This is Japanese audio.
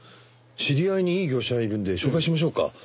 知り合いにいい業者がいるんで紹介しましょうか？